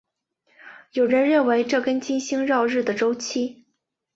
有人认为这跟金星绕日的周期。